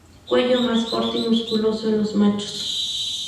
Cuello más corto y musculoso en los machos.